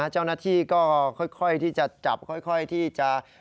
เจ้าหน้าที่ก็ค่อยที่จะจับค่อยที่จะ